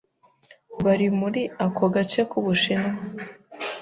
bari muri ako gace k'Ubusihnwa